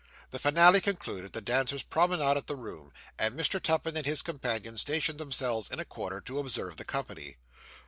The finale concluded, the dancers promenaded the room, and Mr. Tupman and his companion stationed themselves in a corner to observe the company.